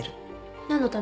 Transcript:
何のために？